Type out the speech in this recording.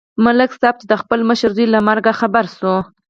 ملک صاحب چې د خپل مشر زوی له مرګه خبر شو